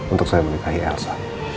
untuk saya menikahi elsa